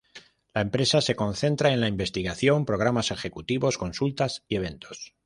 La empresa se concentra en la investigación, programas ejecutivos, consultas y eventos.